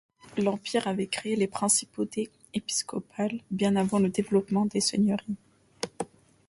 L’Empire avait créé les principautés épiscopales bien avant le développement des seigneuries.